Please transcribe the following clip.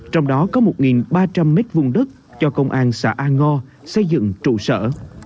trong đó có một ba trăm linh m hai đất cho công an xã a ngo xây dựng trụ sở